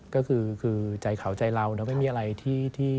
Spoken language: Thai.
ก็คือใจเขาใจเราไม่มีอะไรที่